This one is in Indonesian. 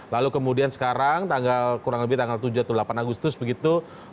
lalu kemudian sekarang kurang lebih tanggal tujuh atau delapan agustus begitu